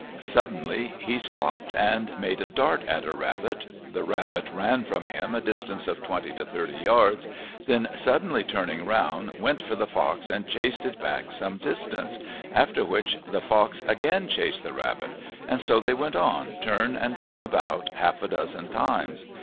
Suddenly he stopped and made a dart at a rabbit; the rabbit ran from him a distance of twenty to thirty yards, then suddenly turning round went for the fox and chased it back some distance, after which the fox again chased the rabbit, and so they went on, turn and turn about, half a dozen times.